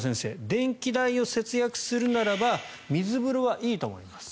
電気代を節約するならば水風呂はいいと思います